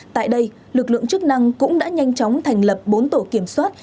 tại đây lực lượng chức năng cũng đã nhanh chóng thành lập bốn tổ kiểm soát